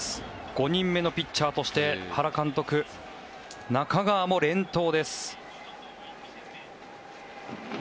５人目のピッチャーとして原監督中川も連投です。